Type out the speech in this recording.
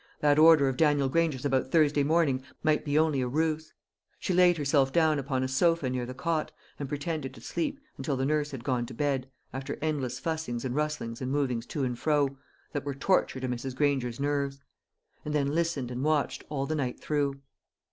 That order of Daniel Granger's about Thursday morning might be only a ruse. She laid herself down upon a sofa near the cot, and pretended to sleep, until the nurse had gone to bed, after endless fussings and rustlings and movings to and fro, that were torture to Mrs. Granger's nerves; and then listened and watched all the night through.